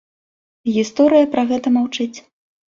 Гісторыя пра гэта маўчыць.